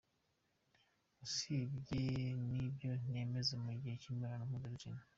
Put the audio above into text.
Usibye n’ibyo nimeza mu gihe cy’imibonano mpuzabitsina.